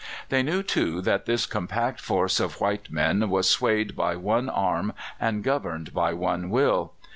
They knew, too, that this compact force of white men was swayed by one arm and governed by one will.